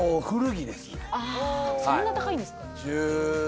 ああそんな高いんですか？